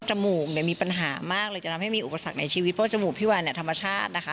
จมูกมีปัญหามากเลยจะทำให้มีอุปสรรคในชีวิตเพราะจมูกพี่แวร์ธรรมชาตินะคะ